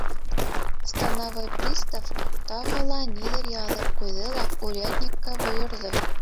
Становой пристав тағы ла ниҙер яҙып ҡуйҙы ла урядникка бойорҙо.